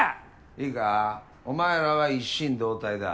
いいかお前らは一心同体だ。